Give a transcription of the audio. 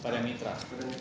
dari segala hal yang diambil